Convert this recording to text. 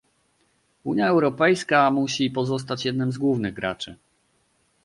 Unia Europejska musi pozostać jednym z głównych graczy